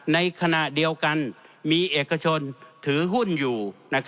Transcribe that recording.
ในขณะเดียวกันมีเอกชนถือหุ้นอยู่